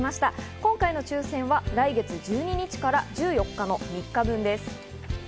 今回の抽選は来月１２日から１４日の３日分です。